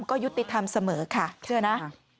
ก็ยุติธรรมเสมอค่ะเชื่อนะ